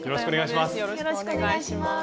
よろしくお願いします。